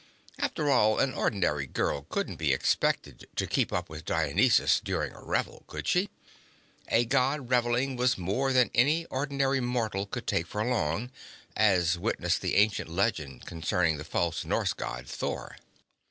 After all, an ordinary girl couldn't be expected to keep up with Dionysus during a revel, could she? A God reveling was more than any ordinary mortal could take for long as witness the ancient legend concerned the false Norse God, Thor.